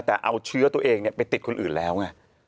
แต่เอาเชื้อตัวเองไปติดคนอื่นแล้วไง